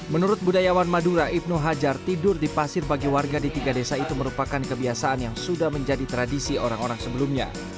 menurut budayawan madura ibnu hajar tidur di pasir bagi warga di tiga desa itu merupakan kebiasaan yang sudah menjadi tradisi orang orang sebelumnya